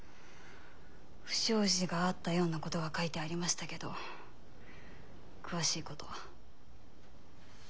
不祥事があったようなことが書いてありましたけど詳しいことは。